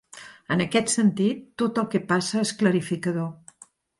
En aquest sentit, tot el que passa és clarificador.